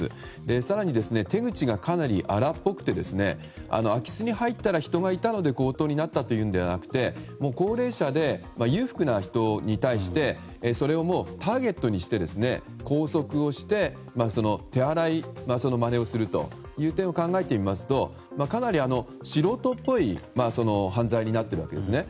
更に、手口がかなり荒っぽくて空き巣に入ったら人がいたので強盗になったのではなくて高齢者で裕福な人に対してそれをターゲットにして拘束をして手荒いまねをするという点を考えてみますとかなり、素人っぽい犯罪になっているわけですね。